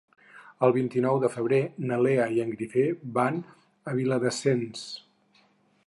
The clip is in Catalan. El vint-i-nou de febrer na Lea i en Guifré van a Viladasens.